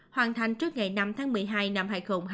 hoàn thành trước ngày năm tháng một mươi hai năm hai nghìn hai mươi